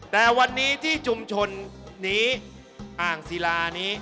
แต่วันนี้ที่ชุมชนหนีอ่างศิลานี้